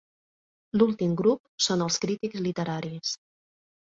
L'últim grup són els crítics literaris.